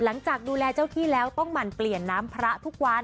หลังจากดูแลเจ้าที่แล้วต้องหมั่นเปลี่ยนน้ำพระทุกวัน